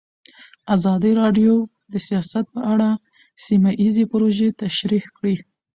ازادي راډیو د سیاست په اړه سیمه ییزې پروژې تشریح کړې.